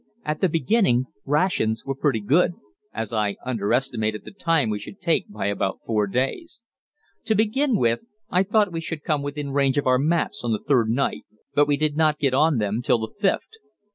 At the beginning rations were pretty good, as I underestimated the time we should take by about four days. To begin with, I thought we should come within range of our maps on the third night, but we did not get on them till the fifth.